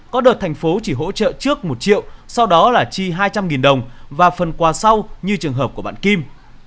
có đợt thành phố chỉ hỗ trợ trước một triệu sau đó là chi hai trăm linh đồng và phần quà sau như trường hợp của bạn kim